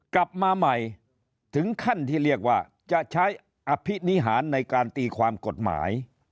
กลับมาใหม่ถึงขั้นที่เรียกว่าจะใช้อภินิหารในการตีความกฎหมาย